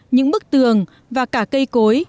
những bức tường và cả cây cối